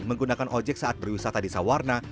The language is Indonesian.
menggunakan ojek saat berwisata di sawarna